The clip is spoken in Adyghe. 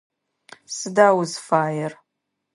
Сыда узыфаер?